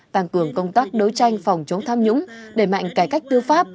tăng cường công tác đối tranh phòng chống tham nhũng đẩy mạnh cải cách tư pháp